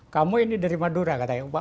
kamu ini dari madura katanya